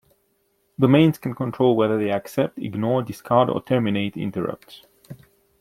Domains can control whether they accept, ignore, discard or terminate interrupts.